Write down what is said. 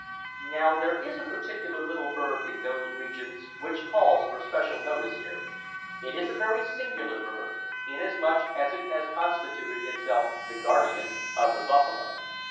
Now there is a particular little bird in those regions which calls for special notice here. It is a very singular bird, inasmuch as it has constituted itself the guardian of the buffalo.